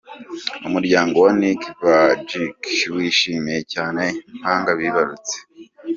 Umuryango wa Nick Vujicic wishimiye cyane impanga bibarutse.